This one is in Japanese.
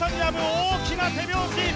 大きな手拍子。